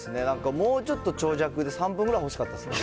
もうちょっと長尺で３分ぐらい欲しかったですね。